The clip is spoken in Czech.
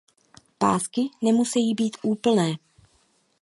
Pásky nemusejí být úplné.